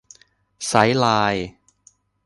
ไซด์ไลน์